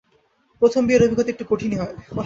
প্রথম বিয়ের অভিজ্ঞতা একটু কঠিনই হয়।